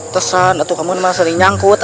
tersan kamu kan masih nyangkut